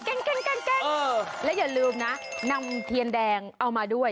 เออแก๊งแล้วอย่าลืมนะนำเทียนแดงเอามาด้วย